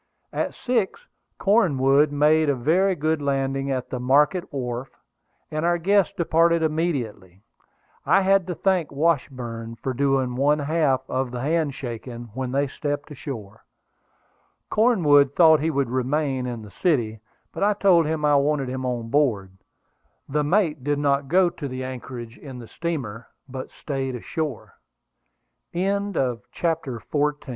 At six Cornwood made a very good landing at the Market Wharf, and our guests departed immediately. I had to thank Washburn for doing one half of the hand shaking when they stepped ashore. Cornwood thought he would remain in the city, but I told him I wanted him on board. The mate did not go to the anchorage in the steamer, but stayed ashore. CHAPTER XV. A WAR OF WORDS.